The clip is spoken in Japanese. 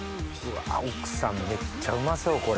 奥さんめっちゃうまそうこれ。